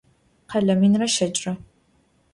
Khele minre şeç're.